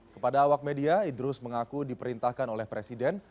kepada awak media idrus mengaku diperintahkan oleh presiden